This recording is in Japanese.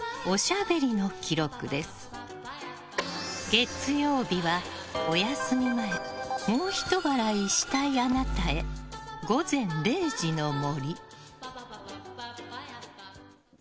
月曜日は、お休み前もうひと笑いしたいあなたへ「午前０時の森」。